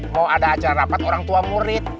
mau ada acara rapat orang tua murid